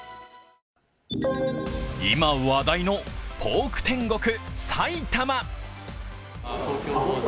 今、話題のポーク天国、埼玉。